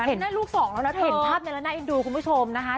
เห็นป่าวใหม่ลูก๒แล้วนะเห็นภาพใดละใดดูคุณผู้ชมนะคะ